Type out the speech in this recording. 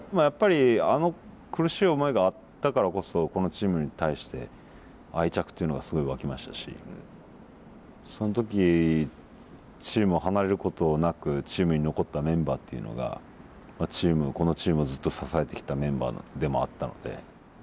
やっぱりあの苦しい思いがあったからこそこのチームに対して愛着というのがすごい湧きましたしその時チームを離れることなくチームに残ったメンバーっていうのがこのチームをずっと支えてきたメンバーでもあったので。